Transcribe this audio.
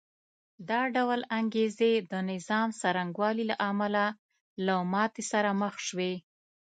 دا ډول انګېزې د نظام څرنګوالي له امله له ماتې سره مخ شوې